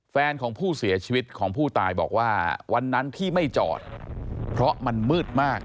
แฟนของผู้เสียชีวิตของผู้ตายบอกว่าวันนั้นที่ไม่จอดเพราะมันมืดมาก